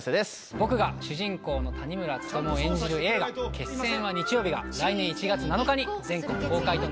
僕が主人公の谷村勉を演じる映画『決戦は日曜日』が来年１月７日に全国公開となります。